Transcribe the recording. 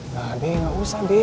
nah be nggak usah be